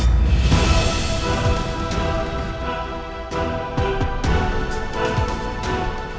hanya ada satu terakhir